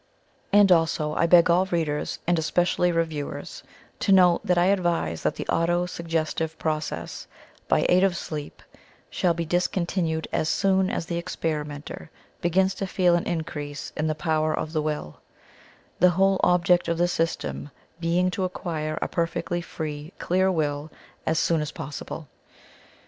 And also I beg all readers, and especially reviewers, to note that I advise that the auto suggestive process, by aid of sleep, shall be discontinued as soon as the experimenter begins to feel an increase in the power of the will; the whole object of the system being to acquire a perfectly free clear Will as soon as possible.